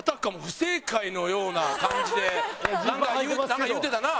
なんか言うてたな。